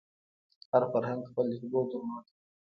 هر فرهنګ خپل لیکدود درلود.